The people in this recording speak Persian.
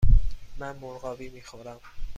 من مرغابی می خورم.